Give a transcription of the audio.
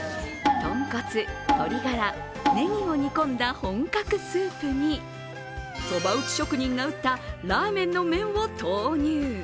豚骨、鶏ガラ、ねぎを煮込んだ本格スープに、そば打ち職人が打ったラーメンの麺を投入。